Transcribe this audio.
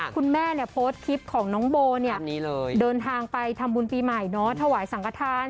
คุณแม่โพสต์คลิปของน้องโบเดินทางไปทำบุญปีใหม่ถวายสังขทาน